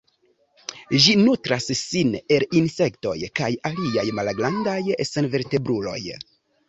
Ĝi nutras sin el insektoj kaj aliaj malgrandaj senvertebruloj.